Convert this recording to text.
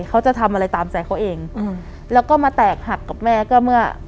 เขาจะทำอะไรตามใจเขาเองอืมแล้วก็มาแตกหักกับแม่ก็เมื่อ